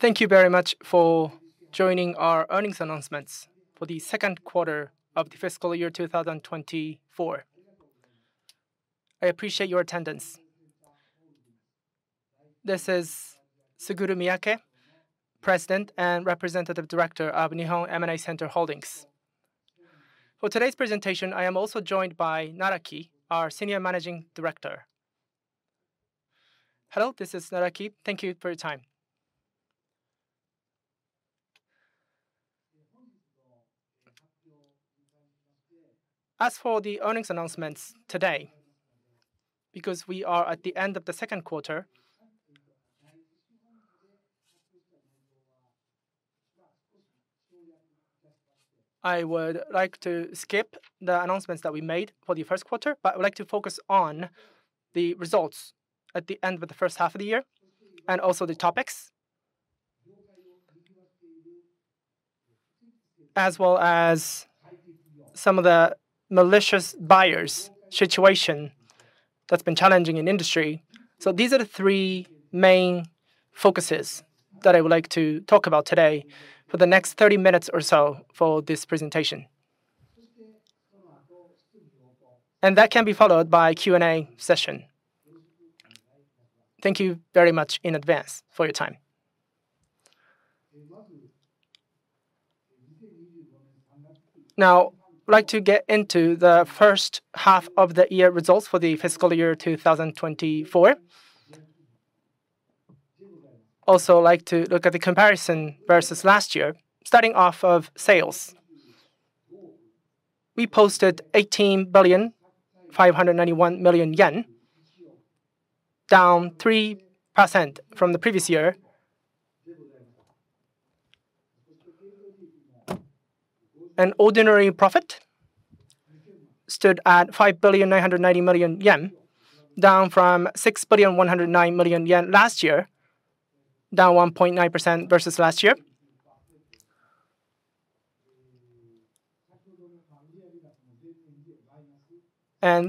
Thank you very much for joining our earnings announcements for the second quarter of the fiscal year 2024. I appreciate your attendance. This is Suguru Miyake, President and Representative Director of Nihon M&A Center Holdings. For today's presentation, I am also joined by Naraki, our Senior Managing Director. Hello, this is Naraki. Thank you for your time. As for the earnings announcements today, because we are at the end of the second quarter, I would like to skip the announcements that we made for the first quarter, but I would like to focus on the results at the end of the first half of the year, and also the topics, as well as some of the malicious buyers' situation that's been challenging in the industry. So these are the three main focuses that I would like to talk about today for the next 30 minutes or so for this presentation. That can be followed by a Q&A session. Thank you very much in advance for your time. Now, I'd like to get into the first half of the year results for the fiscal year 2024. Also, I'd like to look at the comparison versus last year, starting off with sales. We posted 18,591 million yen, down 3% from the previous year. Ordinary profit stood at 5,990 million yen, down from 6,109 million yen last year, down 1.9% versus last year.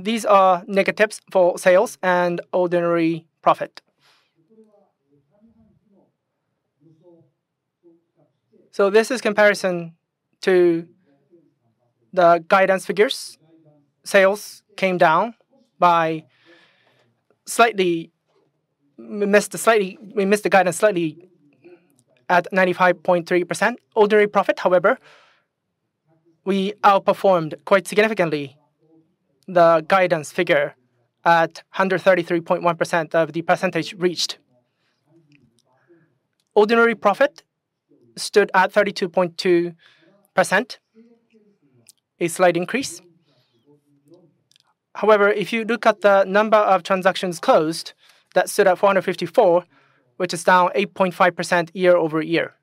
These are negatives for sales and ordinary profit. This is comparison to the guidance figures. Sales came down by slightly. We missed the guidance slightly at 95.3%. Ordinary profit, however, we outperformed quite significantly the guidance figure at 133.1% of the percentage reached. Ordinary profit stood at 32.2%, a slight increase. However, if you look at the number of transactions closed, that stood at 454, which is down 8.5% year-over-year.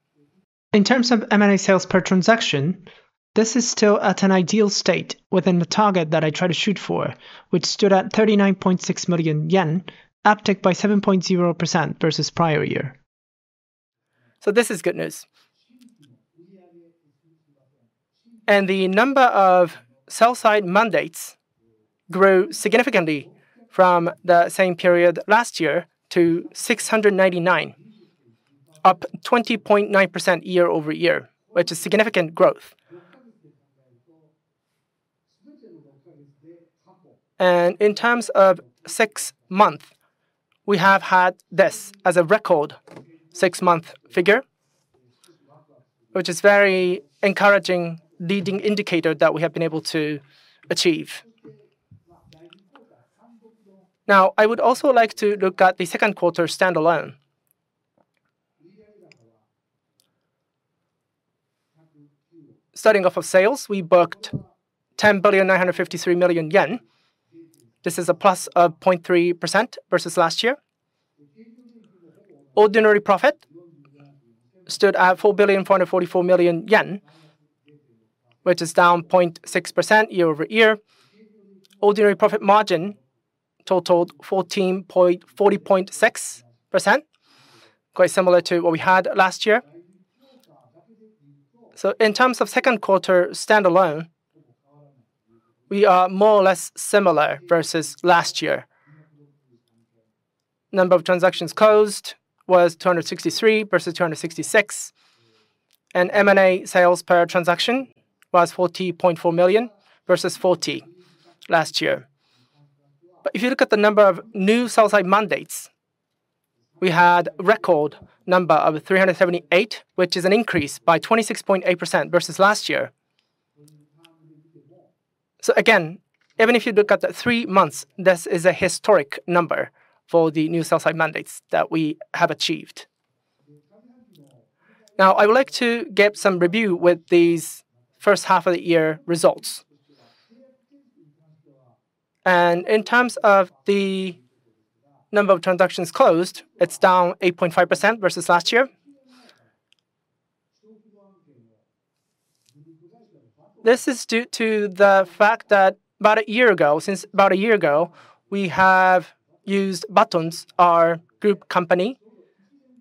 In terms of M&A sales per transaction, this is still at an ideal state within the target that I try to shoot for, which stood at 39.6 million yen, up 7.0% versus prior year, so this is good news, and the number of sell-side mandates grew significantly from the same period last year to 699, up 20.9% year-over-year, which is significant growth, and in terms of six months, we have had this as a record six-month figure, which is a very encouraging leading indicator that we have been able to achieve. Now, I would also like to look at the second quarter standalone. Starting off of sales, we booked 10,953 million yen. This is a plus of 0.3% versus last year. Ordinary profit stood at 4,444 million yen, which is down 0.6% year-over-year. Ordinary profit margin totaled 40.6% quite similar to what we had last year. So in terms of second quarter standalone, we are more or less similar versus last year. Number of transactions closed was 263 versus 266, and M&A sales per transaction was 40.4 million versus 40 last year. But if you look at the number of new sell-side mandates, we had a record number of 378, which is an increase by 26.8% versus last year. So again, even if you look at the three months, this is a historic number for the new sell-side mandates that we have achieved. Now, I would like to get some review with these first half of the year results. And in terms of the number of transactions closed, it's down 8.5% versus last year. This is due to the fact that about a year ago, since about a year ago, we have used Batonz, our group company,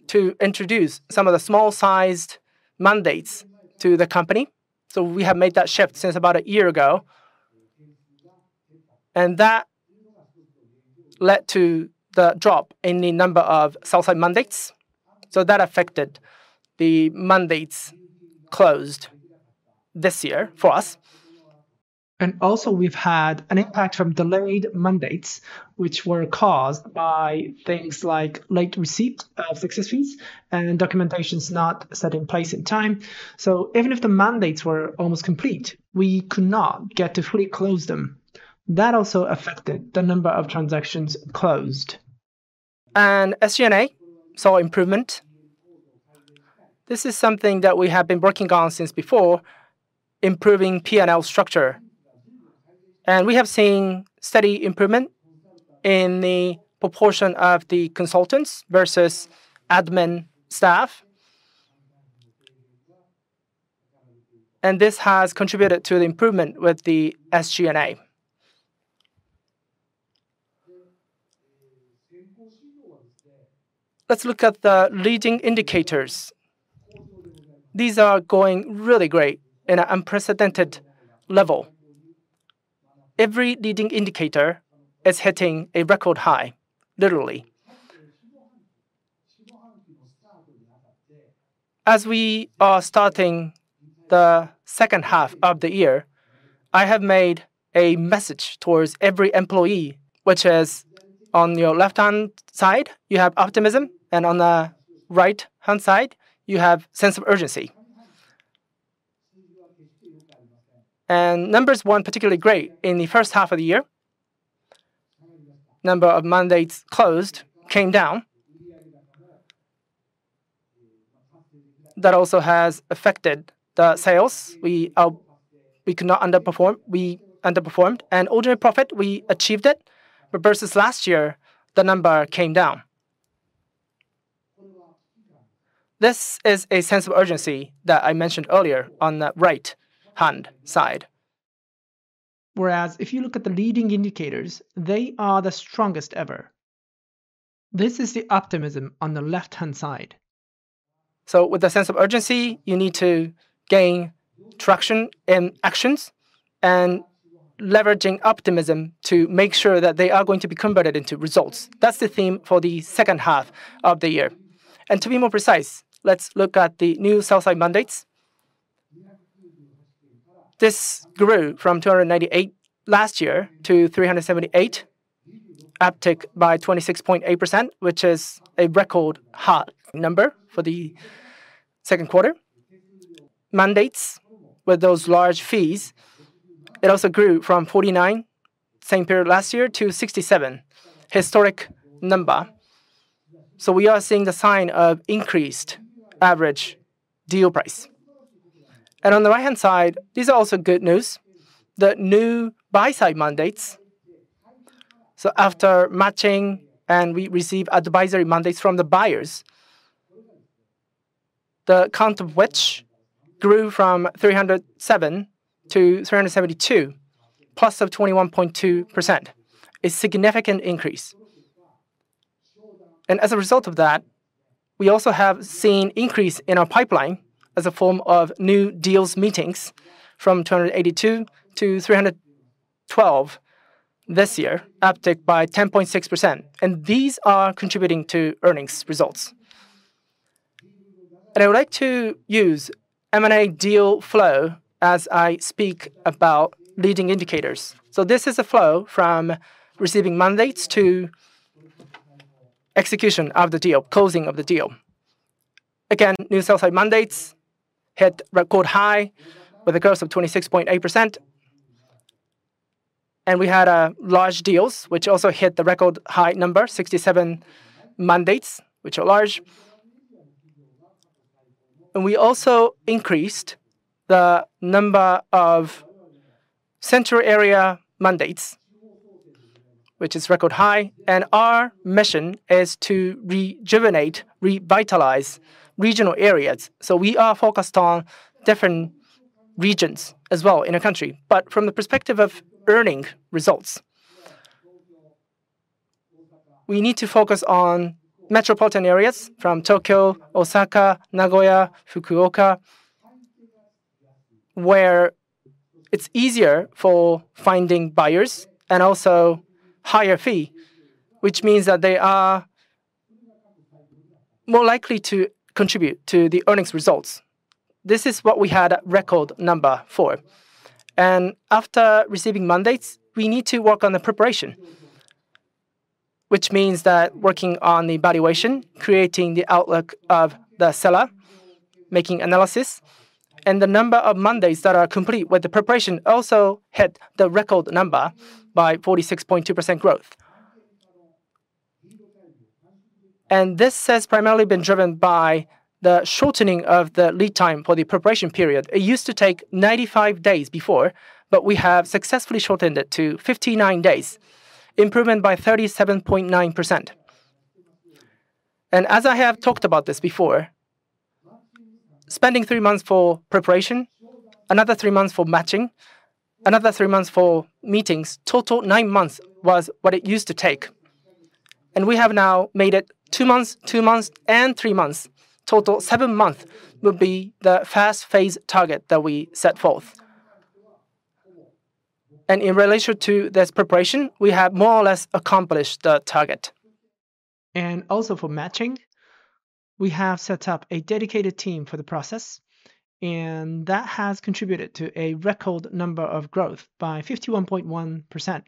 to introduce some of the small-sized mandates to the company. So we have made that shift since about a year ago, and that led to the drop in the number of sell-side mandates. So that affected the mandates closed this year for us. And also, we've had an impact from delayed mandates, which were caused by things like late receipt of success fees and documentations not set in place in time. So even if the mandates were almost complete, we could not get to fully close them. That also affected the number of transactions closed. And SG&A saw improvement. This is something that we have been working on since before, improving P&L structure. And we have seen steady improvement in the proportion of the consultants versus admin staff. And this has contributed to the improvement with the SG&A. Let's look at the leading indicators. These are going really great in an unprecedented level. Every leading indicator is hitting a record high, literally. As we are starting the second half of the year, I have made a message towards every employee, which is on your left-hand side, you have optimism, and on the right-hand side, you have a sense of urgency. And numbers weren't particularly great in the first half of the year. The number of mandates closed came down. That also has affected the sales. We could not underperform. We underperformed. And ordinary profit, we achieved it, but versus last year, the number came down. This is a sense of urgency that I mentioned earlier on the right-hand side. Whereas if you look at the leading indicators, they are the strongest ever. This is the optimism on the left-hand side. So with a sense of urgency, you need to gain traction in actions and leveraging optimism to make sure that they are going to be converted into results. That's the theme for the second half of the year. And to be more precise, let's look at the new sell-side mandates. This grew from 298 last year to 378, uptick by 26.8%, which is a record high number for the second quarter. Mandates with those large fees, it also grew from 49 same period last year to 67, historic number. So we are seeing the sign of increased average deal price. And on the right-hand side, these are also good news. The new buy-side mandates. So after matching and we receive advisory mandates from the buyers, the count of which grew from 307 to 372, plus of 21.2%, a significant increase, and as a result of that, we also have seen an increase in our pipeline as a form of new deals meetings from 282 to 312 this year, uptick by 10.6%, and these are contributing to earnings results. I would like to use M&A deal flow as I speak about leading indicators. So this is a flow from receiving mandates to execution of the deal, closing of the deal. Again, new sell-side mandates hit record high with a growth of 26.8%, and we had large deals, which also hit the record high number, 67 mandates, which are large, and we also increased the number of central area mandates, which is record high, and our mission is to rejuvenate, revitalize regional areas. We are focused on different regions as well in a country, but from the perspective of earnings results. We need to focus on metropolitan areas from Tokyo, Osaka, Nagoya, Fukuoka, where it's easier for finding buyers and also higher fee, which means that they are more likely to contribute to the earnings results. This is what we had a record number for. After receiving mandates, we need to work on the preparation, which means that working on the evaluation, creating the outlook of the seller, making analysis, and the number of mandates that are complete with the preparation also hit the record number by 46.2% growth. This has primarily been driven by the shortening of the lead time for the preparation period. It used to take 95 days before, but we have successfully shortened it to 59 days, improvement by 37.9%. As I have talked about this before, spending three months for preparation, another three months for matching, another three months for meetings, total nine months was what it used to take. We have now made it two months, two months, and three months. Total seven months would be the fast phase target that we set forth. In relation to this preparation, we have more or less accomplished the target. Also for matching, we have set up a dedicated team for the process, and that has contributed to a record number of growth by 51.1%,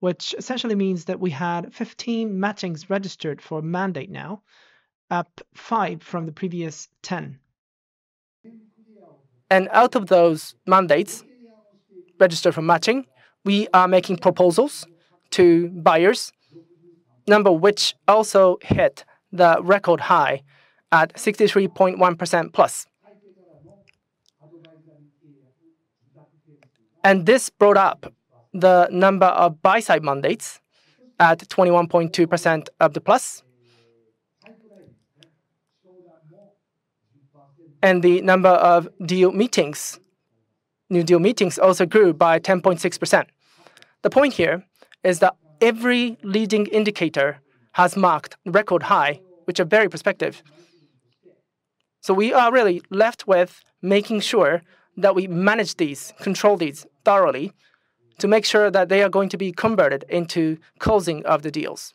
which essentially means that we had 15 matchings registered for mandate now, up five from the previous 10. Out of those mandates registered for matching, we are making proposals to buyers, number which also hit the record high at 63.1% plus. And this brought up the number of buy-side mandates at 21.2% of the plus. And the number of deal meetings, new deal meetings also grew by 10.6%. The point here is that every leading indicator has marked record high, which is very prospective. So we are really left with making sure that we manage these, control these thoroughly to make sure that they are going to be converted into closing of the deals.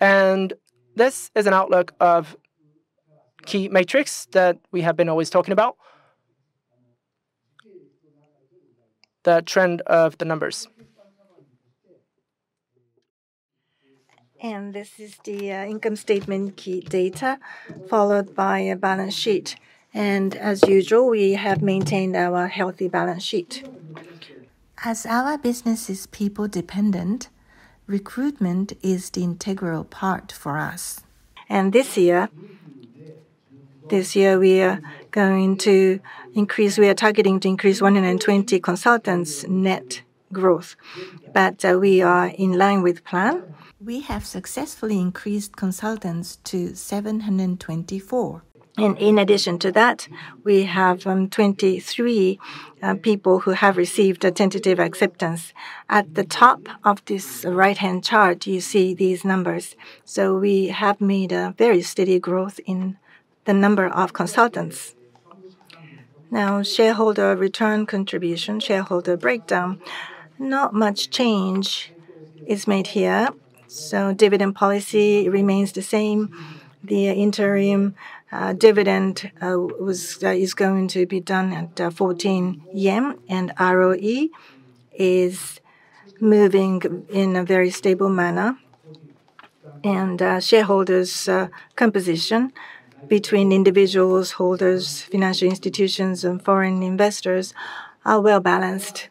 And this is an outlook of key metrics that we have been always talking about, the trend of the numbers. And this is the income statement key data, followed by a balance sheet. And as usual, we have maintained our healthy balance sheet. As our business is people-dependent, recruitment is the integral part for us. And this year, this year we are going to increase, we are targeting to increase 120 consultants net growth, but we are in line with plan. We have successfully increased consultants to 724. And in addition to that, we have 23 people who have received a tentative acceptance. At the top of this right-hand chart, you see these numbers. So we have made a very steady growth in the number of consultants. Now, shareholder return contribution, shareholder breakdown, not much change is made here. So dividend policy remains the same. The interim dividend is going to be done at 14 yen, and ROE is moving in a very stable manner. And shareholders' composition between individuals, holders, financial institutions, and foreign investors are well balanced.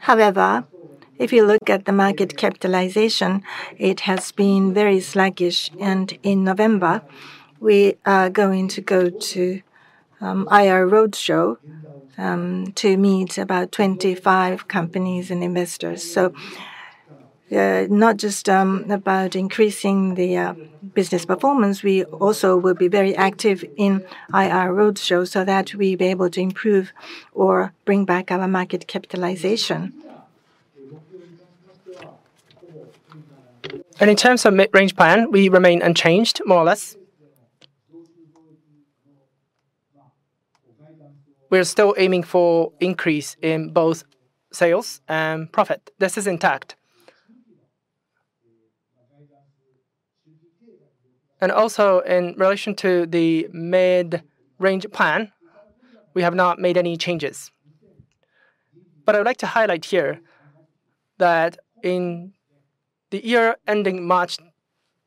However, if you look at the market capitalization, it has been very sluggish. And in November, we are going to go to IR Roadshow to meet about 25 companies and investors. So not just about increasing the business performance, we also will be very active in IR Roadshow so that we be able to improve or bring back our market capitalization. And in terms of mid-range plan, we remain unchanged, more or less. We are still aiming for increase in both sales and profit. This is intact. And also in relation to the mid-range plan, we have not made any changes. But I would like to highlight here that in the year ending March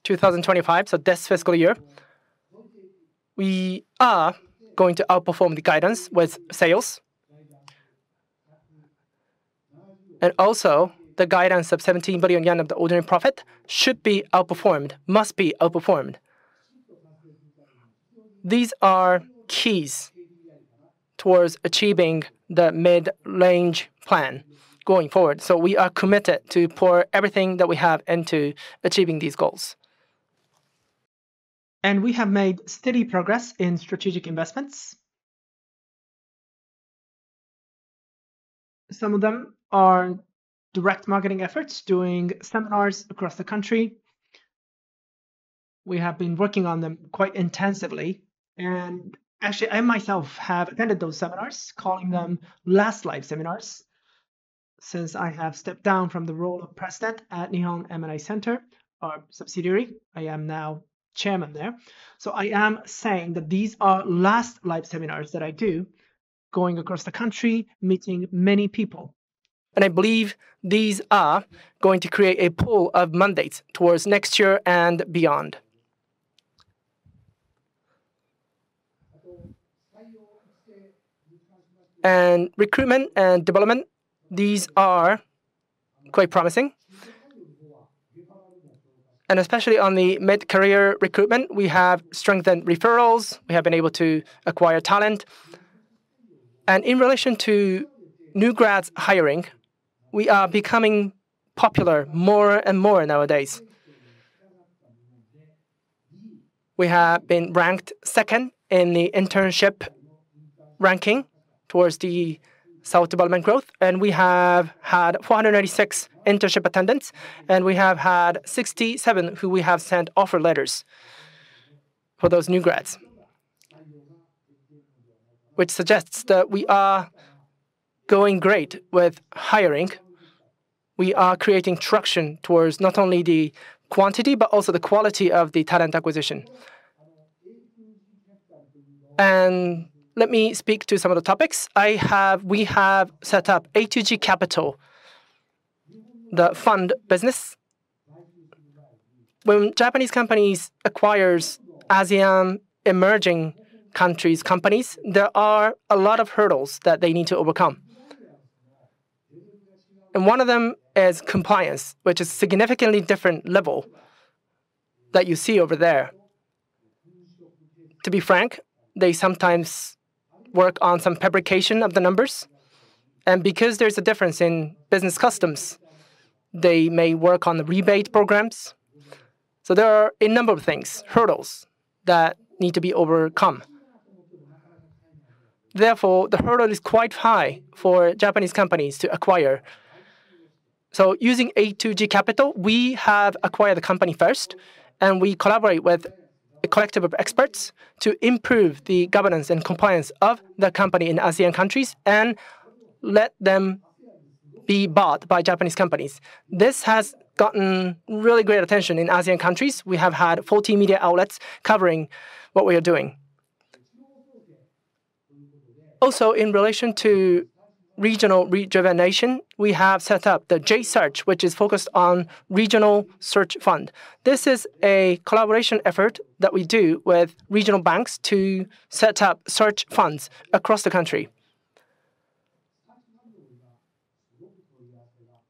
2025, so this fiscal year, we are going to outperform the guidance with sales. And also the guidance of 17 billion yen of the ordinary profit should be outperformed, must be outperformed. These are keys towards achieving the mid-range plan going forward. So we are committed to pour everything that we have into achieving these goals. And we have made steady progress in strategic investments. Some of them are direct marketing efforts, doing seminars across the country. We have been working on them quite intensively. And actually, I myself have attended those seminars, calling them last live seminars. Since I have stepped down from the role of president at Nihon M&A Center, our subsidiary, I am now chairman there. So I am saying that these are last live seminars that I do, going across the country, meeting many people. And I believe these are going to create a pool of mandates towards next year and beyond. And recruitment and development, these are quite promising. And especially on the mid-career recruitment, we have strengthened referrals. We have been able to acquire talent. In relation to new grads hiring, we are becoming popular more and more nowadays. We have been ranked second in the internship ranking towards the self-development growth. We have had 496 internship attendants, and we have had 67 who we have sent offer letters for those new grads, which suggests that we are going great with hiring. We are creating traction towards not only the quantity, but also the quality of the talent acquisition. Let me speak to some of the topics. We have set up A2G Capital, the fund business. When Japanese companies acquire ASEAN emerging countries companies, there are a lot of hurdles that they need to overcome. One of them is compliance, which is a significantly different level that you see over there. To be frank, they sometimes work on some fabrication of the numbers. Because there's a difference in business customs, they may work on the rebate programs, so there are a number of things, hurdles that need to be overcome. Therefore, the hurdle is quite high for Japanese companies to acquire, so using A2G Capital, we have acquired the company first, and we collaborate with a collective of experts to improve the governance and compliance of the company in ASEAN countries and let them be bought by Japanese companies. This has gotten really great attention in ASEAN countries. We have had 14 media outlets covering what we are doing. Also, in relation to regional rejuvenation, we have set up the J-Search, which is focused on regional search fund. This is a collaboration effort that we do with regional banks to set up search funds across the country.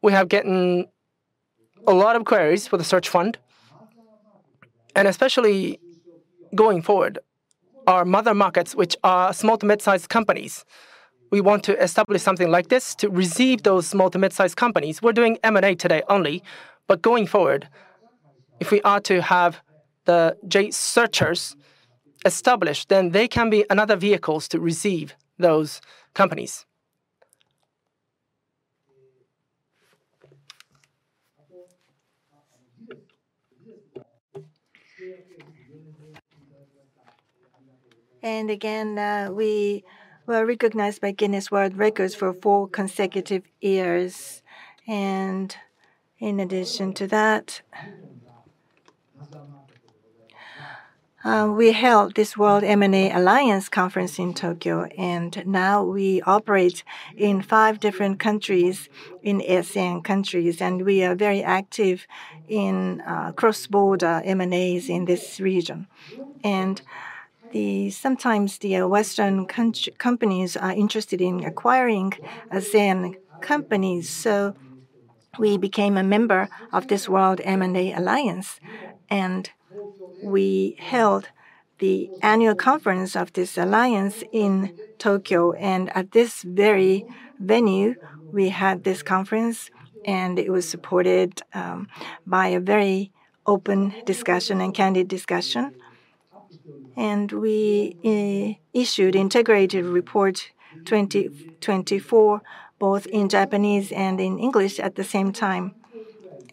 We have gotten a lot of queries for the search fund. And especially going forward, our mother markets, which are small to mid-sized companies, we want to establish something like this to receive those small to mid-sized companies. We're doing M&A today only, but going forward, if we are to have the J-Searchers established, then they can be another vehicle to receive those companies. And again, we were recognized by Guinness World Records for four consecutive years, and in addition to that, we held this World M&A Alliance Conference in Tokyo, and now we operate in five different countries in ASEAN countries, and we are very active in cross-border M&As in this region, and sometimes the Western companies are interested in acquiring ASEAN companies, so we became a member of this World M&A Alliance, and we held the annual conference of this alliance in Tokyo. And at this very venue, we had this conference, and it was supported by a very open discussion and candid discussion. And we issued an Integrated Report 2024, both in Japanese and in English at the same time.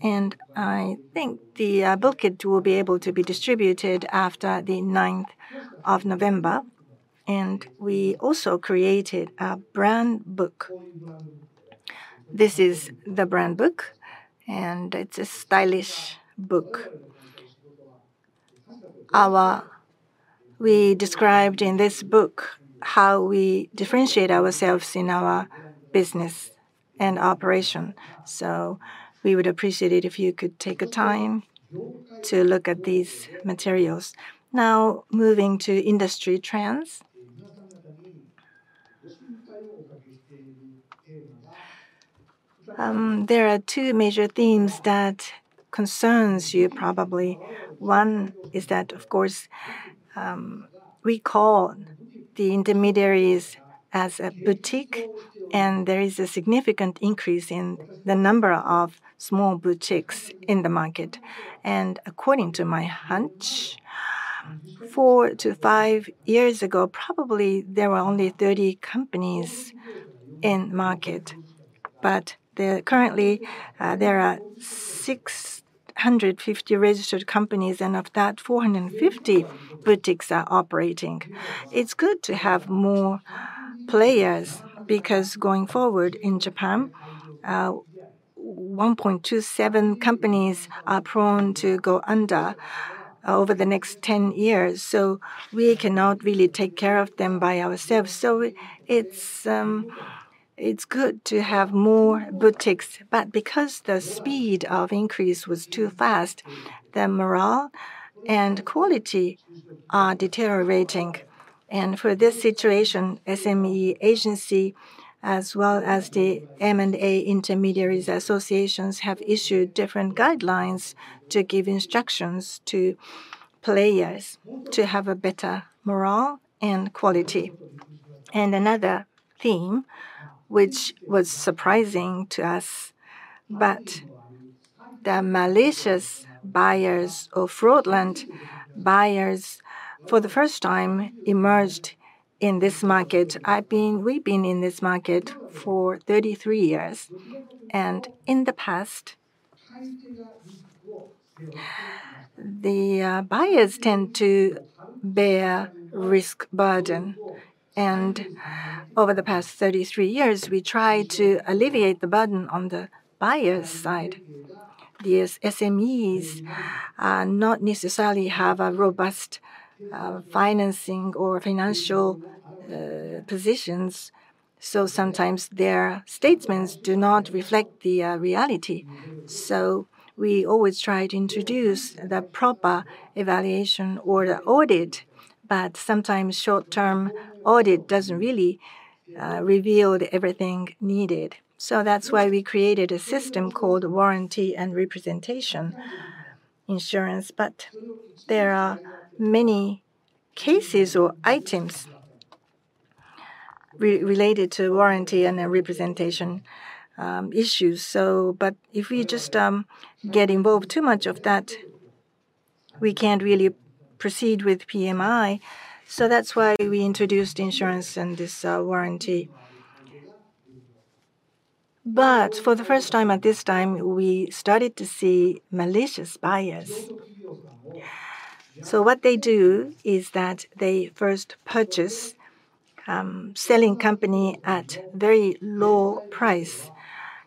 And I think the book will be able to be distributed after the 9th of November. And we also created a brand book. This is the brand book, and it's a stylish book. We described in this book how we differentiate ourselves in our business and operation. So we would appreciate it if you could take the time to look at these materials. Now, moving to industry trends, there are two major themes that concern you probably. One is that, of course, we call the intermediaries as a boutique, and there is a significant increase in the number of small boutiques in the market. According to my hunch, four to five years ago, probably there were only 30 companies in the market. Currently, there are 650 registered companies, and of that, 450 boutiques are operating. It's good to have more players because going forward in Japan, 1.27 million companies are prone to go under over the next 10 years. We cannot really take care of them by ourselves. It's good to have more boutiques. The speed of increase was too fast, so the morale and quality are deteriorating. For this situation, the SME Agency, as well as the M&A Intermediaries Association, have issued different guidelines to give instructions to players to have a better morale and quality. Another theme, which was surprising to us, but the malicious buyers or fraudulent buyers for the first time emerged in this market. We've been in this market for 33 years. In the past, the buyers tend to bear a risk burden. Over the past 33 years, we tried to alleviate the burden on the buyer's side. These SMEs not necessarily have a robust financing or financial positions. Sometimes their statements do not reflect the reality. We always tried to introduce the proper evaluation or the audit, but sometimes short-term audit doesn't really reveal everything needed. That's why we created a system called warranty and representation insurance. There are many cases or items related to warranty and representation issues. If we just get involved too much of that, we can't really proceed with PMI. That's why we introduced insurance and this warranty. For the first time at this time, we started to see malicious buyers. What they do is that they first purchase a selling company at a very low price,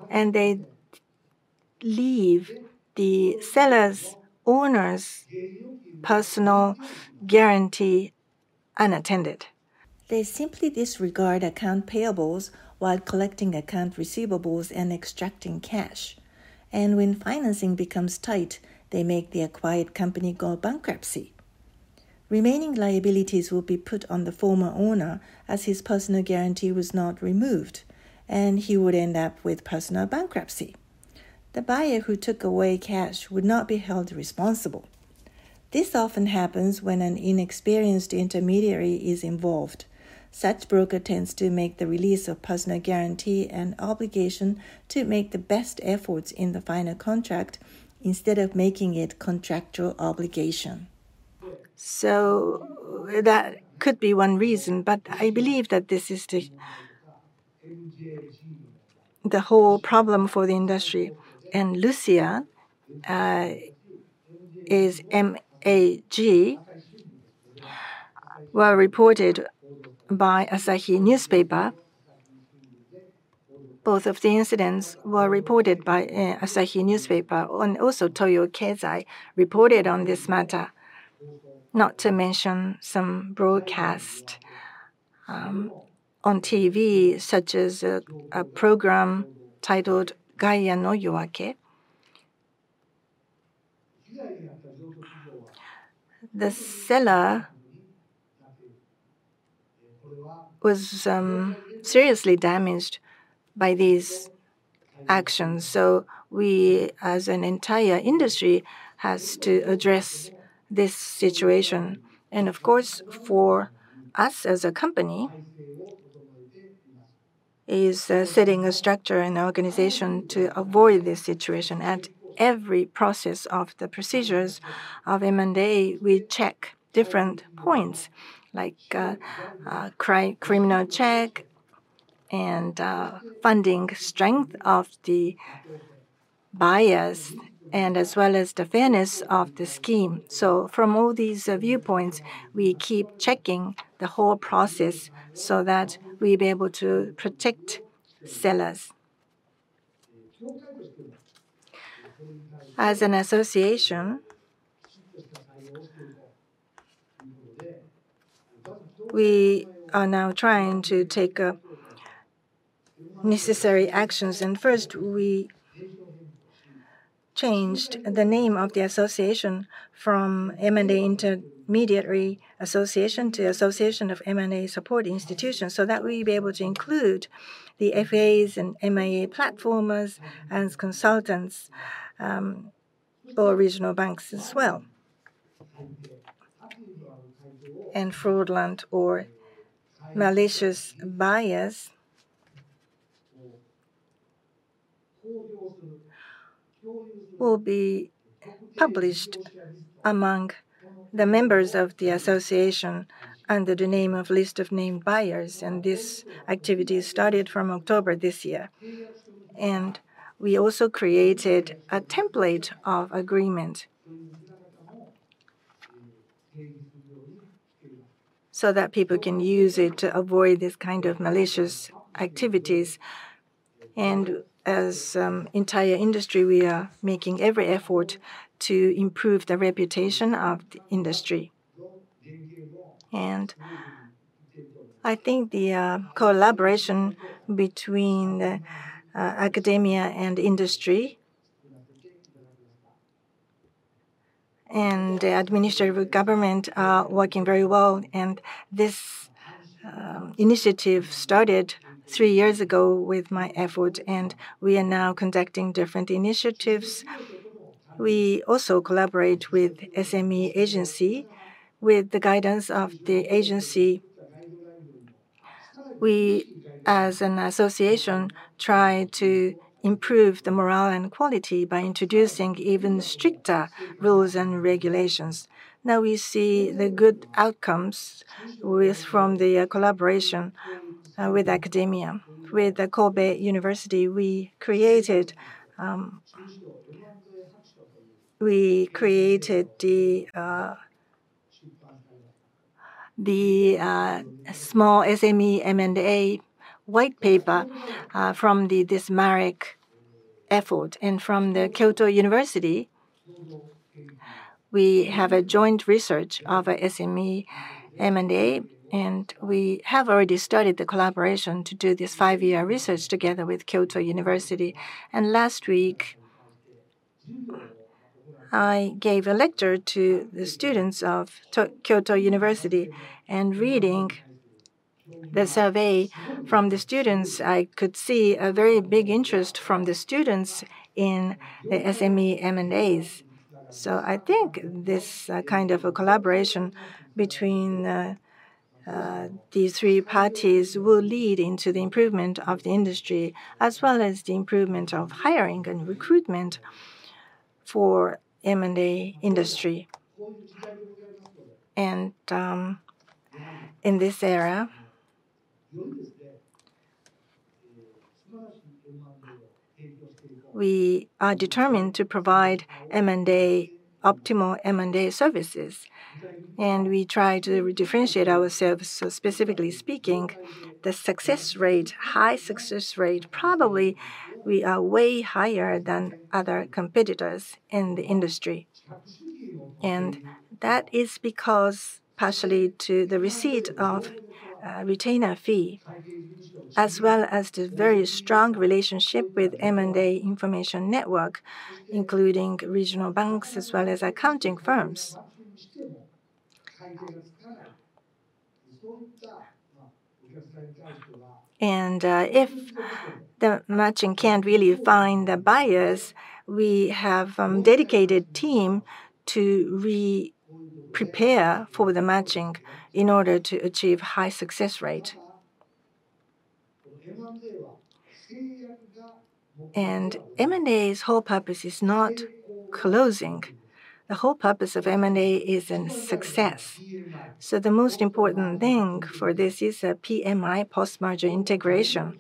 and they leave the seller's owner's personal guarantee unattended. They simply disregard accounts payable while collecting accounts receivable and extracting cash. When financing becomes tight, they make the acquired company go bankrupt. Remaining liabilities will be put on the former owner as his personal guarantee was not removed, and he would end up with personal bankruptcy. The buyer who took away cash would not be held responsible. This often happens when an inexperienced intermediary is involved. Such broker tends to make the release of personal guarantee an obligation to make the best efforts in the final contract instead of making it a contractual obligation. That could be one reason, but I believe that this is the whole problem for the industry. Lucia and MAG were reported by Asahi newspaper. Both of the incidents were reported by Asahi newspaper, and also Toyo Keizai reported on this matter, not to mention some broadcast on TV, such as a program titled Gaia no Yoake. The seller was seriously damaged by these actions. We, as an entire industry, have to address this situation. Of course, for us as a company, it is setting a structure and organization to avoid this situation. At every process of the procedures of M&A, we check different points, like criminal check and funding strength of the buyers, and as well as the fairness of the scheme. From all these viewpoints, we keep checking the whole process so that we be able to protect sellers. As an association, we are now trying to take necessary actions. And first, we changed the name of the association from M&A Intermediaries Association to Association of M&A Support Institutions so that we be able to include the FAAs and M&A platformers and consultants or regional banks as well. And fraudulent or malicious buyers will be published among the members of the association under the name of list of named buyers. And this activity started from October this year. And we also created a template of agreement so that people can use it to avoid this kind of malicious activities. And as an entire industry, we are making every effort to improve the reputation of the industry. And I think the collaboration between academia and industry and the administrative government are working very well. And this initiative started three years ago with my effort, and we are now conducting different initiatives. We also collaborate with the SME Agency with the guidance of the agency. We, as an association, try to improve the morale and quality by introducing even stricter rules and regulations. Now we see the good outcomes from the collaboration with academia. With Kobe University, we created the small SME M&A White Paper from this merit effort, and from Kyoto University, we have a joint research of SME M&A, and we have already started the collaboration to do this five-year research together with Kyoto University, and last week, I gave a lecture to the students of Kyoto University, and reading the survey from the students, I could see a very big interest from the students in the SME M&As. I think this kind of collaboration between these three parties will lead into the improvement of the industry, as well as the improvement of hiring and recruitment for the M&A industry. In this era, we are determined to provide M&A, optimal M&A services. We try to differentiate ourselves. Specifically speaking, the success rate, high success rate, probably we are way higher than other competitors in the industry. That is because partially to the receipt of retainer fee, as well as the very strong relationship with M&A information network, including regional banks as well as accounting firms. If the matching can't really find the buyers, we have a dedicated team to prepare for the matching in order to achieve a high success rate. M&A's whole purpose is not closing. The whole purpose of M&A is success. So the most important thing for this is PMI, post-merger integration.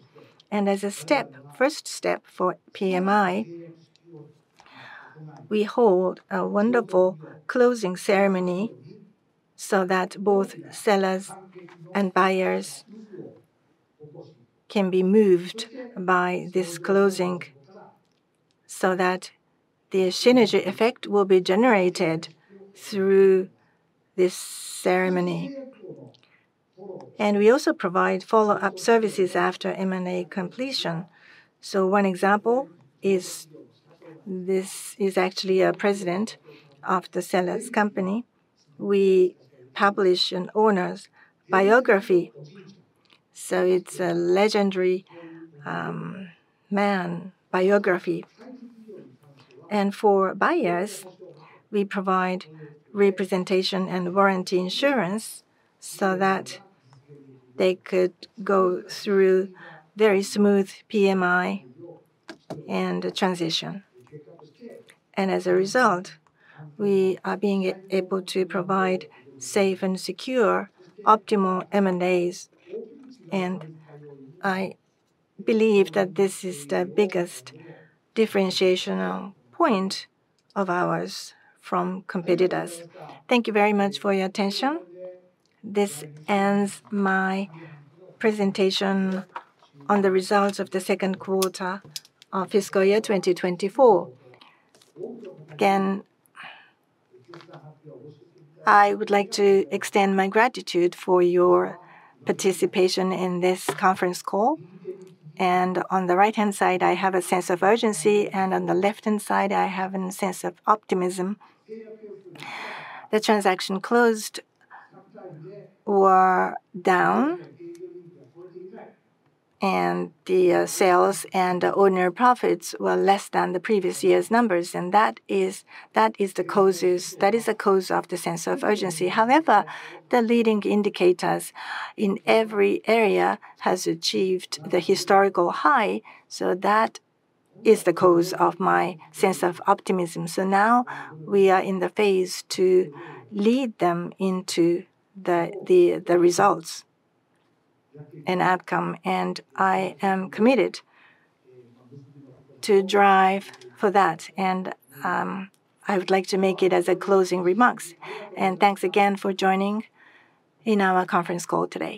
And as a step, first step for PMI, we hold a wonderful closing ceremony so that both sellers and buyers can be moved by this closing so that the synergy effect will be generated through this ceremony. And we also provide follow-up services after M&A completion. So one example is this is actually a president of the seller's company. We publish an owner's biography. So it's a legendary man biography. And for buyers, we provide representation and warranty insurance so that they could go through very smooth PMI and transition. And as a result, we are being able to provide safe and secure optimal M&As. And I believe that this is the biggest differentiation point of ours from competitors. Thank you very much for your attention. This ends my presentation on the results of the second quarter of fiscal year 2024. Again, I would like to extend my gratitude for your participation in this conference call, and on the right-hand side, I have a sense of urgency, and on the left-hand side, I have a sense of optimism. The transactions closed were down, and the sales and ordinary profits were less than the previous year's numbers. That is the cause of the sense of urgency. However, the leading indicators in every area have achieved the historical high. That is the cause of my sense of optimism. Now we are in the phase to lead them into the results and outcome. I am committed to drive for that. I would like to make it as closing remarks. Thanks again for joining in our conference call today.